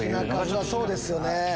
そうですよね。